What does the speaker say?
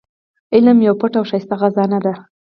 علم يوه پټه او ښايسته خزانه ده.